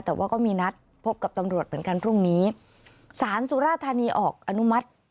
แต่ว่าก็มีนัดพบกับตำรวจเหมือนกันพรุ่งนี้สารสุราธานีออกอนุมัติ